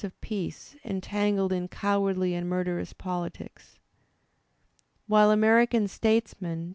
of peace entangled in cowardly and murderous poUtics. ! While American statesmen.